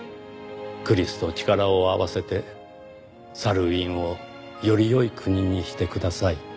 「クリスと力を合わせてサルウィンをより良い国にしてください」